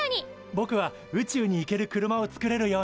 ぼくは「宇宙に行ける車を作れるように」。